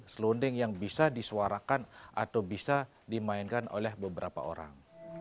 selonding yang bisa disuarakan atau bisa dimainkan oleh beberapa orang